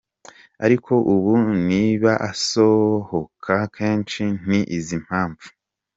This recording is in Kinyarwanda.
Ariko ubundi niba asohoka kenshi ni izi mpamvu;.